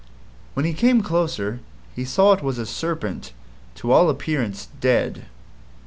When he came closer, he saw it was a Serpent to all appearance dead.